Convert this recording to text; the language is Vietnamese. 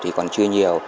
thì còn chưa nhiều